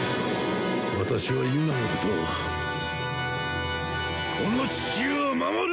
私はユナのことをこの地球を守る！